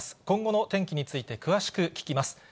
今後の天気について、詳しく聞きます。